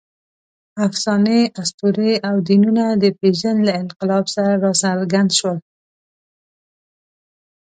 افسانې، اسطورې او دینونه د پېژند له انقلاب سره راڅرګند شول.